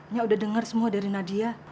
nya udah denger semua dari nadia